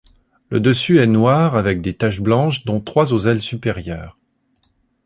Le dessus est noir avec des taches blanches dont trois aux ailes supérieures.